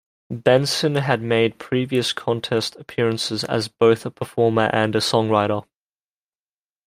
Benson had made previous contest appearances as both a performer and a songwriter.